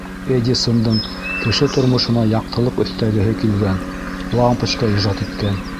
Эдисондың кеше тормошона яҡтылыҡ өҫтәгеһе килгән - лампочка ижад иткән.